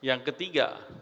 yang ketiga golkar bangkit